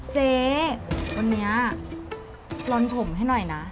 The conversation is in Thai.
เจ๊วันนี้ลอนผมให้หน่อยนะ